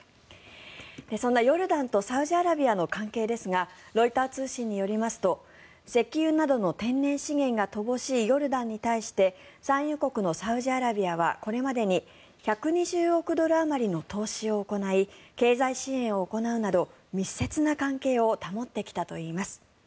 そんなヨルダンとサウジアラビアの関係ですがロイター通信によりますと石油などの天然資源が乏しいヨルダンに対して産油国のサウジアラビアはこれまでに１２０億ドルあまりの投資を行い経済支援を行うなど密接な関係を保ってきたといいます。